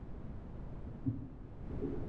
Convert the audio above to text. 广场部分跨越丽都运河。